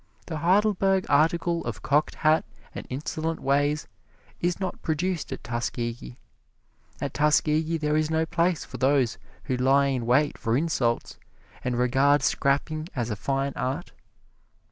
The Heidelberg article of cocked hat and insolent ways is not produced at Tuskegee. At Tuskegee there is no place for those who lie in wait for insults and regard scrapping as a fine art.